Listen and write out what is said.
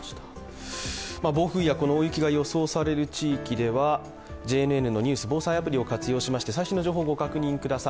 暴風や大雪が予想される地域ではＪＮＮのアプリなどを活用して最新の情報をご確認ください。